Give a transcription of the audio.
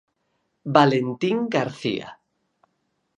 Valentín García.